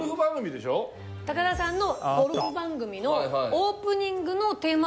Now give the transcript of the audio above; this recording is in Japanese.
高田さんの。